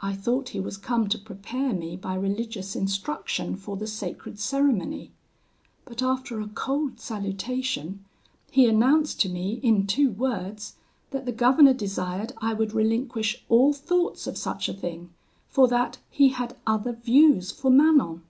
I thought he was come to prepare me by religious instruction for the sacred ceremony; but, after a cold salutation, he announced to me in two words, that the governor desired I would relinquish all thoughts of such a thing, for that he had other views for Manon.